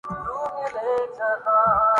جو آؤں سامنے ان کے‘ تو مرحبا نہ کہیں